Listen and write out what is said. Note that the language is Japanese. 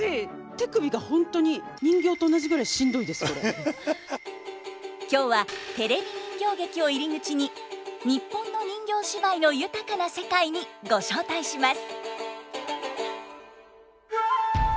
手首がホントに今日はテレビ人形劇を入り口に日本の人形芝居の豊かな世界にご招待します。